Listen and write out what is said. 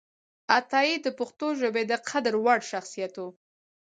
عطایي د پښتو ژبې د قدر وړ شخصیت و